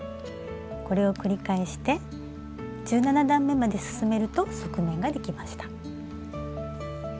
これを繰り返して１７段めまで進めると側面ができました。